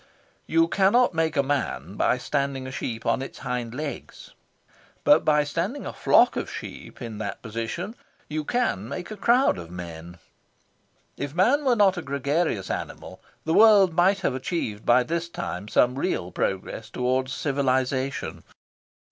You cannot make a man by standing a sheep on its hind legs. But by standing a flock of sheep in that position you can make a crowd of men. If man were not a gregarious animal, the world might have achieved, by this time, some real progress towards civilisation.